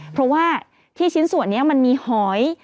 เพราะว่าที่ชิ้นส่วนนี้มันมีหอย